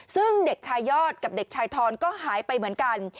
ซึ่งเด็กชายยอดกับเด็กชายทอนก็หายไปเหมือนกัน